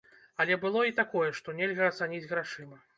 Але было і такое, што нельга ацаніць грашыма.